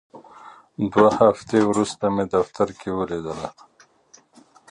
دوه هفتې وروسته مې دفتر کې ولیدله.